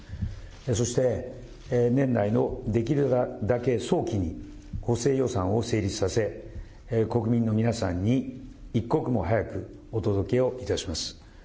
そして年内のできるだけ早期に補正予算を成立させ、国民の皆さんに一刻も早くお届けをいたします。